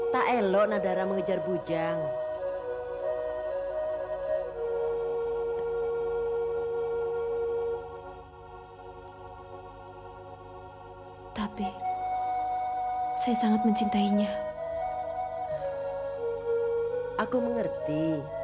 terima kasih atas kebaikan beli